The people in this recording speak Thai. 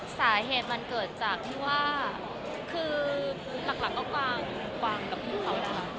สาเหตุมันเกิดจากที่ว่าคือหลักก็กวางกับพี่เขานะคะ